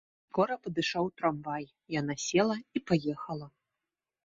Скора падышоў трамвай, яна села і паехала.